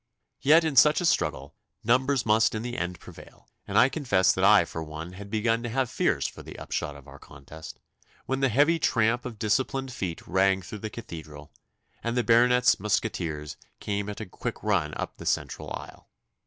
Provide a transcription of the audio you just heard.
Yet in such a struggle numbers must in the end prevail, and I confess that I for one had begun to have fears for the upshot of our contest, when the heavy tramp of disciplined feet rang through the Cathedral, and the Baronet's musqueteers came at a quick run up the central aisle.